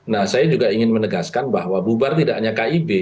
nah saya juga ingin menegaskan bahwa bubar tidak hanya kib